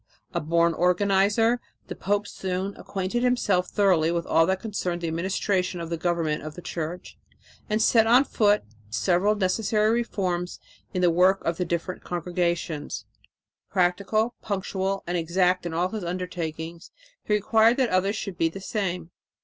A born organizer, the pope soon acquainted himself thoroughly with all that concerned the administration of the government of the Church and set on foot several necessary reforms in the work of the different congregations. Practical, punctual and exact in all his undertakings, he required that others should be the same.